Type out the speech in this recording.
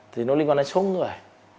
thì nó liên quan đến số người